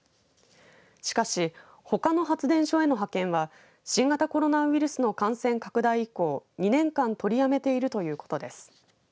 しかしほかの発電所への派遣は新型コロナウイルスの感染拡大以降２年間取りやめているということです。